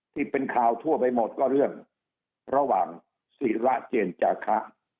ที่เป็นข่าวทั่วไปหมดก็เรื่องระหว่างศิระเจนจาคะ